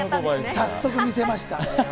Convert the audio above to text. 早速見せました。